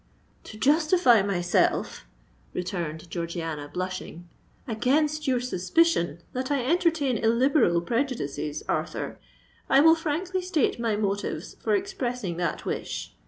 "To justify myself," returned Georgiana, blushing, "against your suspicion that I entertain illiberal prejudices, Arthur, I will frankly state my motives for expressing that wish.